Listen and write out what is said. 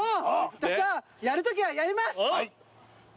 私はやるときはやります！